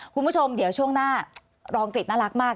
คุณผู้ชมเดี๋ยวช่วงหน้ารองกฤษน่ารักมาก